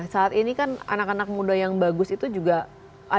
saat ini kan anak anak muda yang bagus itu juga ada